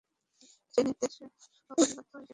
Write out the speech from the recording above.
এ নির্দেশ অপ্রতিরোধ্যভাবে আসবেই।